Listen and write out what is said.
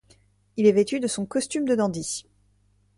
Il est vêtu de son costume de dandy.